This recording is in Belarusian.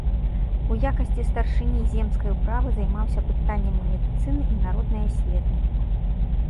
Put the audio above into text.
У якасці старшыні земскай управы займаўся пытаннямі медыцыны і народнай асветы.